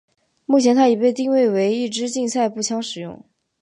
目前它已被定位为一枝竞赛步枪使用。